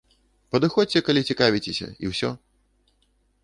Падыходзьце, калі цікавіцеся, і ўсё.